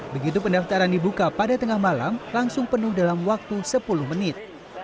begitu pendaftaran dibuka pada tengah malam langsung penuh dalam waktu sepuluh menit